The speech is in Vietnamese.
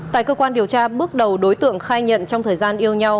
tại cơ quan điều tra bước đầu đối tượng khai nhận trong thời gian yêu nhau